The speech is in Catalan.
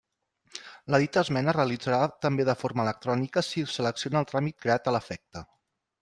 La dita esmena es realitzarà també de forma electrònica si selecciona el tràmit creat a l'efecte.